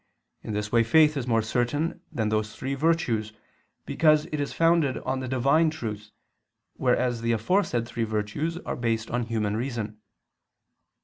In this way faith is more certain than those three virtues, because it is founded on the Divine truth, whereas the aforesaid three virtues are based on human reason.